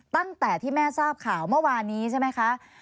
ตั้งแต่ที่แม่ทราบข่าวเมื่อวานนี้ใช่ไหมคะ